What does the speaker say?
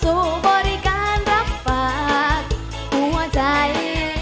ฉันกำลังเข้าสู่บริการรับปากหัวใจ